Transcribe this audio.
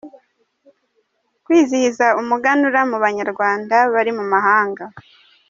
kwizihiza umuganura mu Banyarwanda bari mu mahanga.